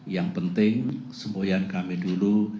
yang penting semboyan kami dulu